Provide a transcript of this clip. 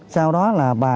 sau đó là bà